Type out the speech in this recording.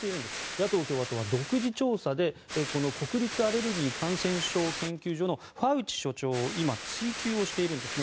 野党・共和党は独自調査でこの国立アレルギー・感染症研究所のファウチ所長を今、追及しているんですね。